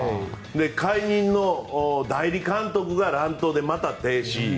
解任の代理監督が、乱闘でまた停止。